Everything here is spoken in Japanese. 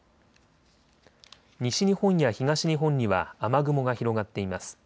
西日本や東日本には雨雲が広がっています。